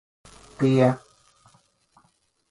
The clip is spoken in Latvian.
Tie